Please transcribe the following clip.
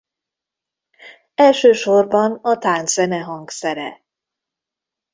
Elsősorban a tánczene hangszere.